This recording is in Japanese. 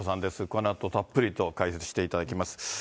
このあとたっぷりと解説していただきます。